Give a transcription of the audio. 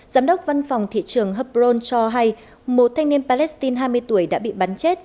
giám đốc văn phòng thị trường hapron cho hay một thanh niên palestine hai mươi tuổi đã bị bắn chết